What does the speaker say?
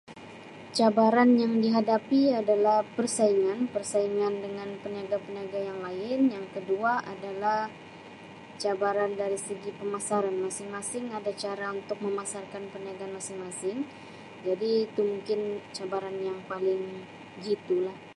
Cabaran yang dihadapi adalah persaingan, persaingan dengan peniaga-peniaga yang lain yang kedua adalah cabaran dari segi pemasaran masing-masing ada cara untuk memasarkan perniagaan masing-masing jadi itu mungkin cabaran yang paling jitu lah.